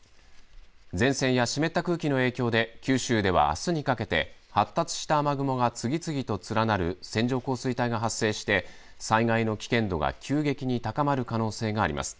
前線や湿った空気の影響で九州ではあすにかけて発達した雨雲が次々と連なる線状降水帯が発生して、災害の危険度が急激に高まる可能性があります。